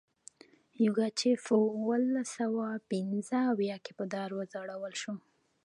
یوګاچف په اوولس سوه پنځه اویا کې په دار وځړول شو.